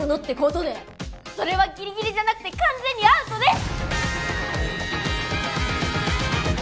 それはギリギリじゃなくて完全にアウトです！